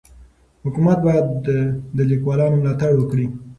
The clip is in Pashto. حکومت باید د لیکوالانو ملاتړ وکړي.